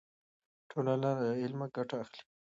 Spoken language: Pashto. ټولنه له علمه ګټه اخلي.